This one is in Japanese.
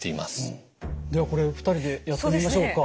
じゃあこれ２人でやってみましょうか。